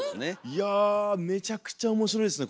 いやめちゃくちゃ面白いですね